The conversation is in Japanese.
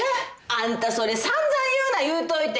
あんたそれ散々言うな言うといて。